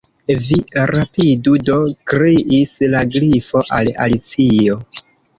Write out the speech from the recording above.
"Vi rapidu do," kriis la Grifo al Alicio.